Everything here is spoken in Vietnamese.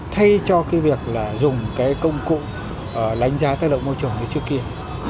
thay cho cái việc là dùng cái công cụ đánh giá tác động môi trường như trước kia